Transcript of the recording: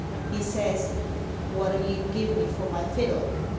He says, *What'll you give me for my fiddle